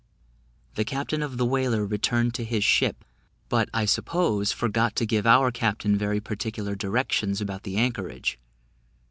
The captain of the whaler returned to his ship, but, I suppose, forgot to give our captain very particular directions about the anchorage.